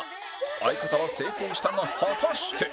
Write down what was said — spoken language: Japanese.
相方は成功したが果たして